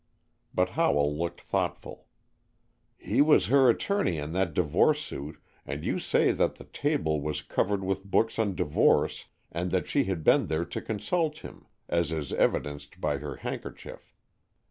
But Howell looked thoughtful. "He was her attorney in that divorce suit, and you say that the table was covered with books on divorce, and she had been there to consult him, as is evidenced by her handkerchief.